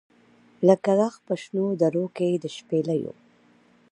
لکه ږغ په شنو درو کي د شپېلیو !.